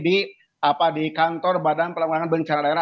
di kantor badan pelenggangan bencana lera